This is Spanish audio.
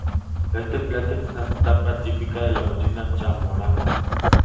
Este plato es una tapa típica de la cocina zamorana.